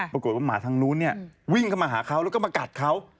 ปรากฏว่าหมาทางนู้นเวิ่งเข้ามาหาเขาแล้วก็มากัดเขา